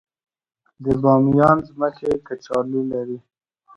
د بامیان ځمکې کچالو لري